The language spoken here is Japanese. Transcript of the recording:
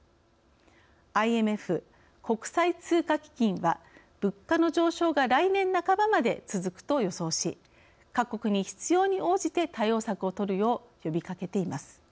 ＩＭＦ＝国際通貨基金は物価の上昇が来年半ばまで続くと予想し各国に必要に応じて対応策を取るよう呼びかけています。